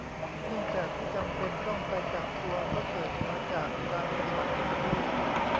เนื่องจากที่จำเป็นต้องไปกักตัวก็เกิดมาจากการปฏิบัติหน้าที่